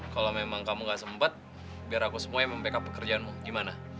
kalau memang kamu gak sempet biar aku semuanya mem pick up pekerjaanmu gimana